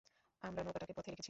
আমরা নৌকাটাকে পথে রেখেছি।